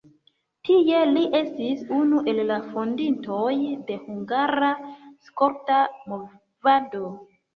Tie li estis unu el la fondintoj de hungara skolta movado.